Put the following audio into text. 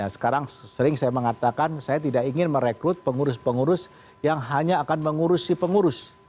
sekarang sering saya mengatakan saya tidak ingin merekrut pengurus pengurus yang hanya akan mengurusi pengurus